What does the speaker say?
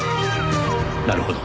なるほど。